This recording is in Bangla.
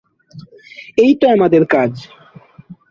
এই তো আমাদের কাজ।